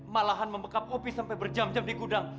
malahan membekap kopi sampai berjam jam di gudang